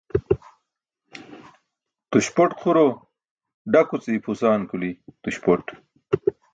Tuśpot xuro daku ce ipʰusan kuli tuśpot.